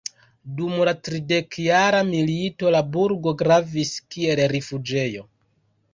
Dum la Tridekjara milito la burgo gravis kiel rifuĝejo.